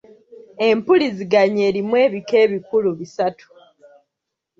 Empuliziganya erimu ebika ebikulu bisatu.